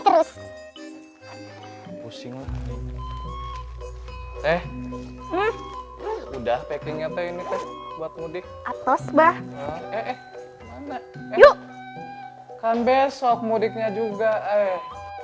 hai pusing eh udah packingnya teh ini teh buat mudik atas bah eh yuk kan besok mudiknya juga eh